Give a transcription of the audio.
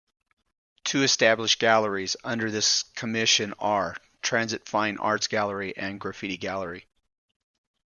Two established galleries under this commission are: Transit Fine Arts Gallery and Graffiti Gallery.